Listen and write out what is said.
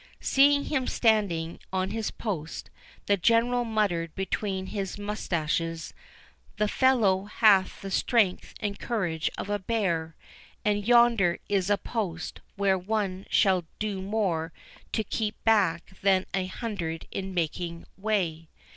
Seeing him standing on his post, the General muttered between his mustaches, "The fellow hath the strength and courage of a bear; and yonder is a post where one shall do more to keep back than an hundred in making way."